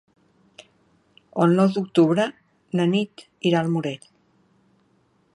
El nou d'octubre na Nit irà al Morell.